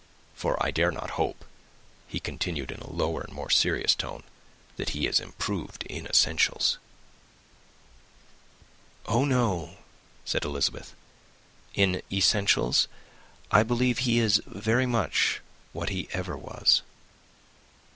for I dare not hope," he continued, in a lower and more serious tone, "that he is improved in essentials." "Oh, no!" said Elizabeth. "In essentials, I believe, he is very much what he ever was."